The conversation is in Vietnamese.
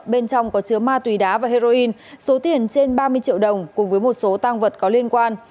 bên trong có chứa ma túy đá và heroin số tiền trên ba mươi triệu đồng cùng với một số tăng vật có liên quan